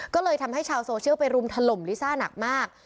ก็เลยทำให้ชาวโซเชียลไปรุมถล่มลิซ่าหนักมาก